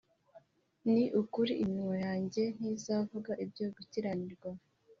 Ni ukuri iminwa yanjye ntizavuga ibyo gukiranirwa